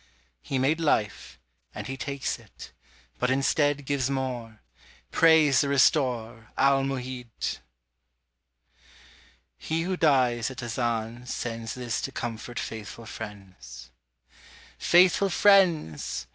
He made life and He takes it but instead Gives more: praise the Restorer, Al Mu'hid! He who dies at Azan sends This to comfort faithful friends: Faithful friends!